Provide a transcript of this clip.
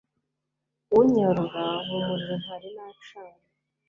unyarura mu muriro ntari nacanye